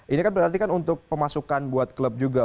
ini kan berarti kan untuk pemasukan buat klub juga